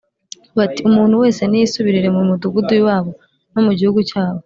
bati “Umuntu wese niyisubirire mu mudugudu w’iwabo no mu gihugu cyabo”